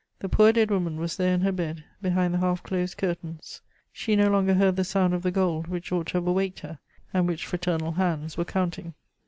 The poor dead woman was there in her bed, behind the half closed curtains: she no longer heard the sound of the gold which ought to have awaked her, and which fraternal hands were counting.